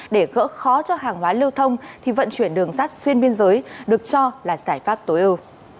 để gỡ khó cho hàng hóa lưu thông thì vận chuyển đường sát xuyên biên giới được cho là giải pháp tối ưu